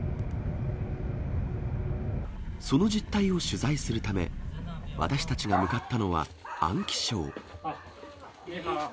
その実態を取材するため、私たちが向かったのは安徽省。